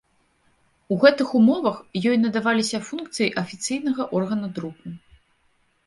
У гэтых умовах ёй надаваліся функцыі афіцыйнага органа друку.